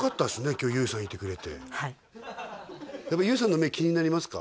今日ＹＯＵさんいてくれてはいＹＯＵさんの目気になりますか？